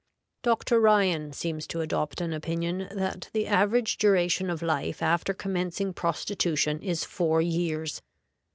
Dr. Ryan seems to adopt an opinion that the average duration of life after commencing prostitution is four years.